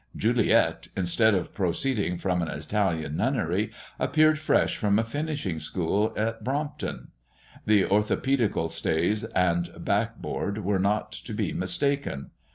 Juliet, instead of proceeding from an Italian nunnery, appeared fresh from a finishing school at Brompton; the orthopedical stays and the back board were not to be mistaken.